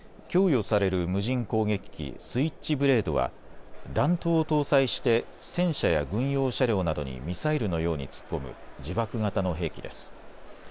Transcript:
供与される無人攻撃機、スイッチブレードは弾頭を搭載して戦車や軍用車両などにミサイルのように突っ込む自爆型の兵器です。